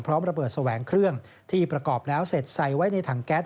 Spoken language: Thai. ระเบิดแสวงเครื่องที่ประกอบแล้วเสร็จใส่ไว้ในถังแก๊ส